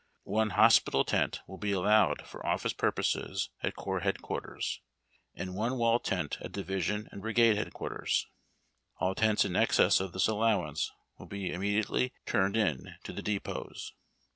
One hosijital tent will be allowed for office purposes at Corps Head Quai'ters, and one wall tent at Division and Brigalle Head Quarters. All tents in excess of this allowance will be immediately turned in to the depots.